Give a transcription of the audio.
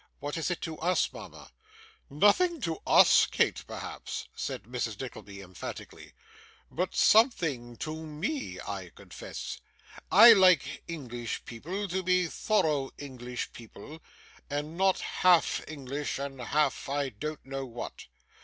What is it to us, mama?' 'Nothing to US, Kate, perhaps,' said Mrs. Nickleby, emphatically; 'but something to ME, I confess. I like English people to be thorough English people, and not half English and half I don't know what.